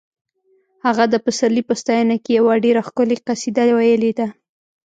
هغه د پسرلي په ستاینه کې یوه ډېره ښکلې قصیده ویلې ده